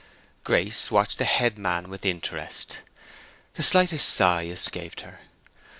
Grace watched the head man with interest. The slightest sigh escaped her.